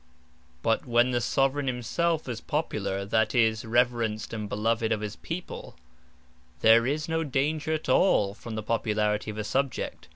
But when the Soveraign himselfe is Popular, that is, reverenced and beloved of his People, there is no danger at all from the Popularity of a Subject.